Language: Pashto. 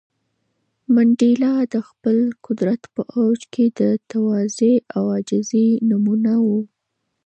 منډېلا د خپل قدرت په اوج کې د تواضع او عاجزۍ نمونه و.